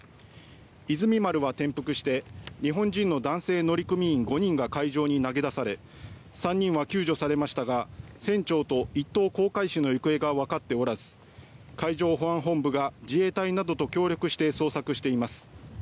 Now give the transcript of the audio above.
「いずみ丸」は転覆して日本人の男性乗組員５人が海上に投げ出され３人は救助されましたが船長と１等航海士の行方がわかっておらず海上保安本部が自衛隊などと協力して捜索しています。